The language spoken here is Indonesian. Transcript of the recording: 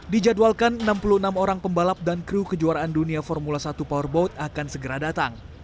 dijadwalkan enam puluh enam orang pembalap dan kru kejuaraan dunia formula satu powerboat akan segera datang